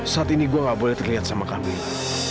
saat ini gue gak boleh terlihat sama kami